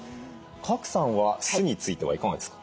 賀来さんは酢についてはいかがですか？